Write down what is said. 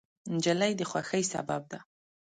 نجلۍ د خوښۍ سبب ده.